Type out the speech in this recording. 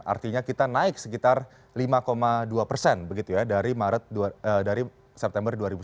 artinya kita naik sekitar lima dua persen begitu ya dari september dua ribu sembilan belas